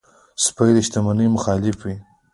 سپي د شتمنۍ محافظ وي.